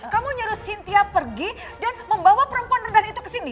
kamu nyuruh cynthia pergi dan membawa perempuan redar itu ke sini